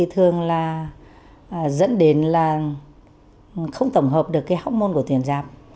thì thường là dẫn đến là không tổng hợp được cái hóc môn của tuyến giáp